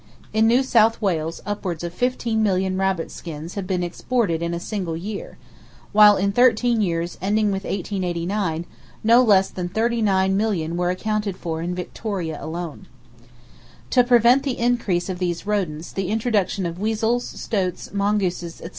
In New South Wales upwards of 15,000,000 rabbits skins have been exported in a single year; while in thirteen years ending with 1889 no less than 39,000,000 were accounted for in Victoria alone. "To prevent the increase of these rodents, the introduction of weasels, stoats, mongooses, etc.